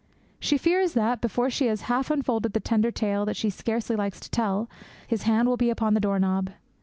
She fears that, before she has half unfolded the tender tale that she scarcely likes to tell, his hand will be upon the doorknob.